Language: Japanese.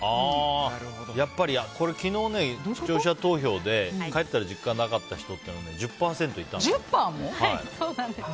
昨日の視聴者投票で帰ったら実家がなかった人って１０％いたんです。